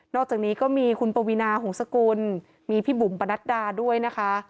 อกจากนี้ก็มีคุณปวีนาหงษกุลมีพี่บุ๋มปนัดดาด้วยนะคะ